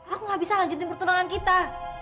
aku gak bisa lanjutin pertunangan kita